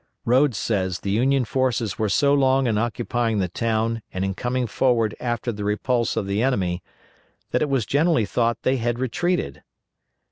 Rodes says the Union forces were so long in occupying the town and in coming forward after the repulse of the enemy that it was generally thought they had retreated.